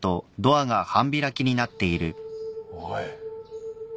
おい。